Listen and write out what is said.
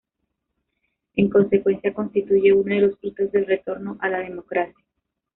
En consecuencia, constituye uno de los hitos del retorno a la democracia.